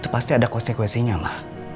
dan itu pasti ada konsekuensinya ma